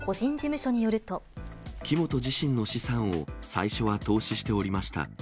木本自身の資産を最初は投資しておりました。